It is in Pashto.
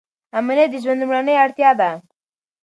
امنیت د ژوند لومړنۍ اړتیا ده.